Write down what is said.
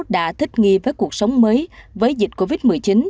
đã thích nghi với cuộc sống mới với dịch covid một mươi chín